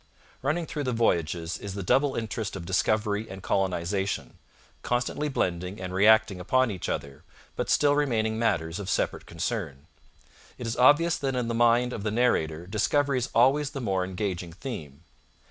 Running through the Voyages is the double interest of discovery and colonization, constantly blending and reacting upon each other, but still remaining matters of separate concern. It is obvious that in the mind of the narrator discovery is always the more engaging theme.